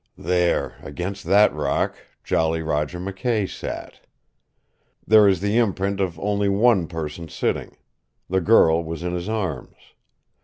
"There, against that rock, Jolly Roger McKay sat There is the imprint of only one person sitting. The girl was in his arms.